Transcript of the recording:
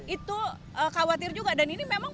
itu khawatir juga dan ini memang